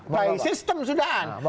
by sistem sudahan